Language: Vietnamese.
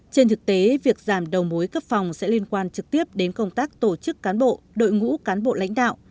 trên thực tế việc giảm đầu mối cấp phòng sẽ liên quan trực tiếp đến công tác tổ chức cán bộ đội ngũ cán bộ lãnh đạo